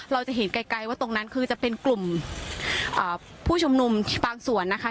เราจะเห็นไกลว่าตรงนั้นคือจะเป็นกลุ่มผู้ชุมนุมบางส่วนนะคะ